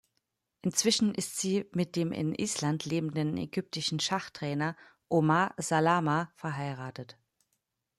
Inzwischen ist sie mit dem in Island lebenden ägyptischen Schachtrainer Omar Salama verheiratet.